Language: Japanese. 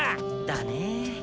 だね。